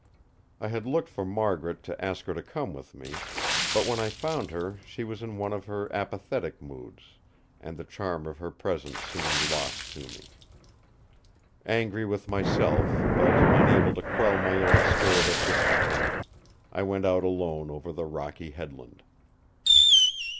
I had looked for Margaret to ask her to come with me; but when I found her, she was in one of her apathetic moods, and the charm of her presence seemed lost to me. Angry with myself, but unable to quell my own spirit of discontent, I went out alone over the rocky headland.